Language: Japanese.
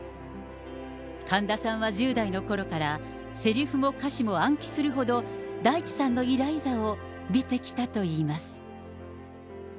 神田さんは１０代のころから、せりふも歌詞も暗記するほど、大地さんのイライザを見てきたといいます。